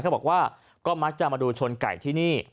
เขาบอกว่าก็มักจะมาดูชนไก่ที่นี่